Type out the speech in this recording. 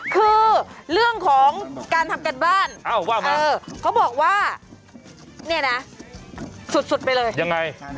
คือเรื่องของการทำการบ้านเขาบอกว่าเนี่ยนะสุดไปเลยยังไง